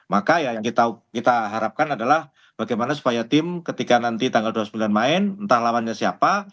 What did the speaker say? maka yang kita harapkan adalah bagaimana supaya tim ketika nanti tanggal dua puluh sembilan main entah lawannya siapa